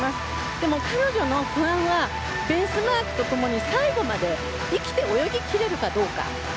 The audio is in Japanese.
でも、彼女の不安はベースマークと共に最後まで生きて泳ぎ切れるかどうか。